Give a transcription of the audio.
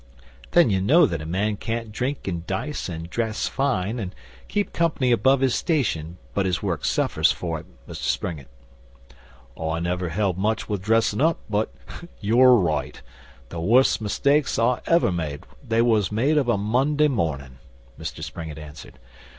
'Then ye know that a man can't drink and dice and dress fine, and keep company above his station, but his work suffers for it, Mus' Springett.' 'I never held much with dressin' up, but you're right! The worst mistakes I ever made they was made of a Monday morning,' Mr Springett answered.